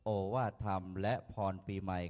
โอว่าธรรมและพรปีใหม่